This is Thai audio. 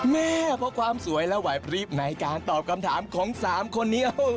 แม่เพราะความสวยและไหวพลิบในการตอบคำถามของ๓คนนี้